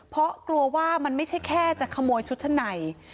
เพราะกลัวว่ามันไม่ใช่แค่จะขโมยชุดชั้นใน